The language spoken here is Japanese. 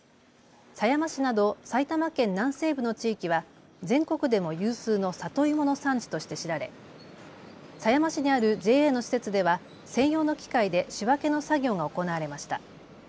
狭山市など埼玉県南西部の地域は全国でも有数の里芋の産地として知られ狭山市にあるＪＡの施設では専用の機械で仕分けの作業が行われました。